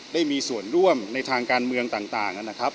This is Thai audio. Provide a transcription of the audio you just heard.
ได้มีส่วนร่วมในทางการเมืองต่างนะครับ